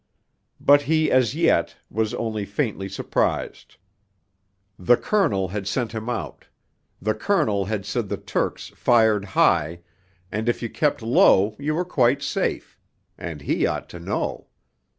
But he as yet was only faintly surprised. The Colonel had sent him out; the Colonel had said the Turks fired high, and if you kept low you were quite safe and he ought to know.